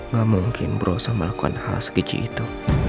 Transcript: gak mungkin berusaha melakukan hal segitu itu